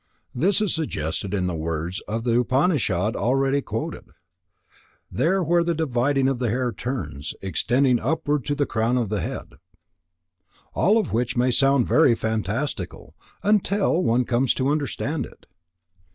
This is suggested in the words of the Upanishad already quoted: "There, where the dividing of the hair turns, extending upward to the crown of the head"; all of which may sound very fantastical, until one comes to understand it.